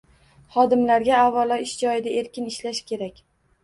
Xodimlarga, avvalo, ish joyida erkin ishlash kerak